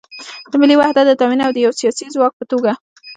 د ملي وحدت د تامین او د یو سیاسي ځواک په توګه